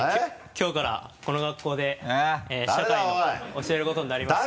きょうからこの学校で社会を教えることになりました。